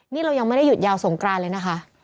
นี่เรายังไม่ได้หยุดยาวสงกรานเลยนะคะ